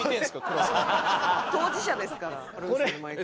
当事者ですからクロさん毎回。